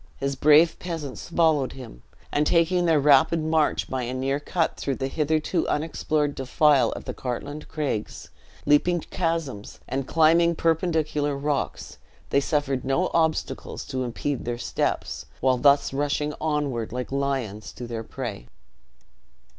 His brave peasants followed him; and taking their rapid march by a near cut through a hitherto unexplored defile of the Cartlane Craigs, leaping chasms, and climbing perpendicular rocks, they suffered no obstacles to impede their steps, while thus rushing onward like lions to their prey.